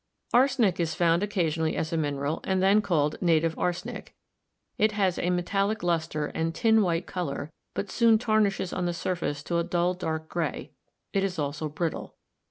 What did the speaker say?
Arsenic is found occasionally as a mineral and then called Native Arsenic. It has a metallic luster and tin white color, but soon tarnishes on the surface to a dull dark gray; it is also brittle.